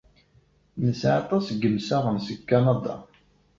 Nesɛa aṭas n yimsaɣen seg Kanada.